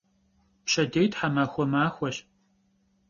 Pşedêy themaxue maxueş.